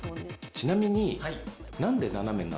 ちなみに。